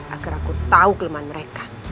agar aku tahu kelemahan mereka